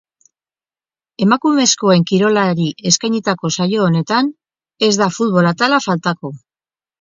Emakumezkoen kirolari eskainitako saio honetan, ez da futbol atala faltako.